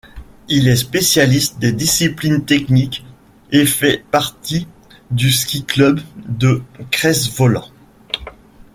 Il est spécialiste des disciplines techniques et fait partie du ski-club de Crest-Voland.